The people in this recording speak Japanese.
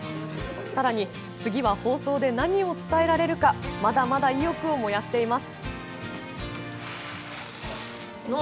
さらに、次は放送で何を伝えられるかまだまだ意欲を燃やしています。